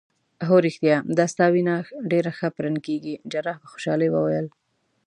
هو ریښتیا دا ستا وینه ډیره ښه پرنډ کیږي. جراح په خوشحالۍ وویل.